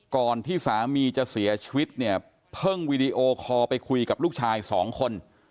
ก่อนที่สามีจะเสียชีวิตเนี่ยเพิ่งวีดีโอคอลไปคุยกับลูกชายสองคน